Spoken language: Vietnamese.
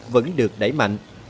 vẫn được đẩy mạnh